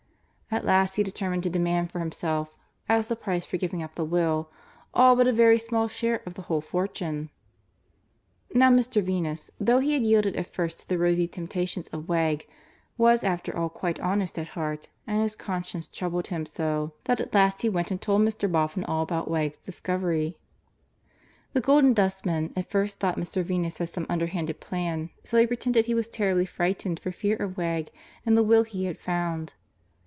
At last he determined to demand for himself, as the price for giving up the will, all but a very small share of the whole fortune. Now Mr. Venus, though he had yielded at first to the rosy temptations of Wegg, was after all quite honest at heart, and his conscience troubled him so that at last he went and told Mr. Boffin all about Wegg's discovery. The Golden Dustman at first thought Mr. Venus had some underhanded plan, so he pretended he was terribly frightened for fear of Wegg and the will he had found.